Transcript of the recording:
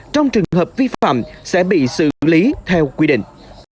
trong trường hợp vi phạm sẽ bị xử lý theo quy định